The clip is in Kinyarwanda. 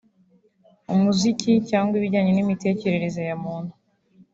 umuziki cyangwa ibijyanye n’imitekerereze ya muntu